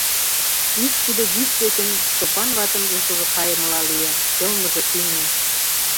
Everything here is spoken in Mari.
Ик тиде йӱк дечын Стопан ватын ушыжо кайымыла лие, йылмыже тӱҥӧ.